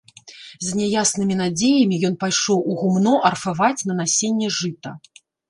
З няяснымі надзеямі ён пайшоў у гумно арфаваць на насенне жыта.